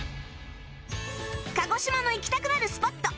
鹿児島の行きたくなるスポット